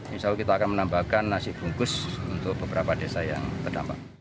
insya allah kita akan menambahkan nasi bungkus untuk beberapa desa yang terdampak